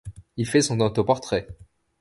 Il fait son autoportrait.